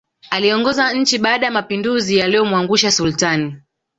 Aliongoza nchi baada ya mapinduzi yaliyomwangusha Sultani